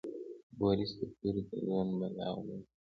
بوریس د تورې په زور بلا وواهه.